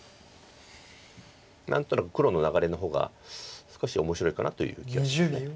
何となく黒の流れの方が少し面白いかなという気がします。